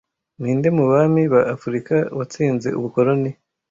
Ninde mu Bami ba afurika watsinze ubukoloni